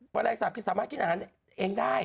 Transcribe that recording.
มะแรงสาปสามารถกินอาหารเองได้